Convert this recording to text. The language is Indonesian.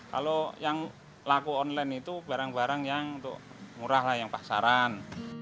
kalau yang laku online itu barang barang yang murah lah yang pasaran